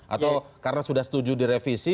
atau karena sudah setuju direvisi